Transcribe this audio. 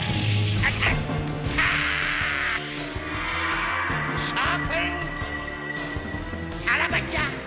諸君さらばじゃ！